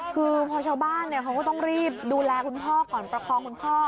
คือพอชาวบ้านเขาก็ต้องรีบดูแลคุณพ่อก่อนประคองคุณพ่อ